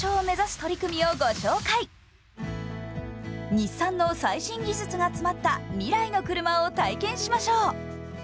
日産の最新技術が詰まった未来の車を体験しましょう。